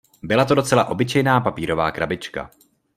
Byla to docela obyčejná papírová krabička.